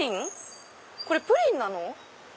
これプリンなの？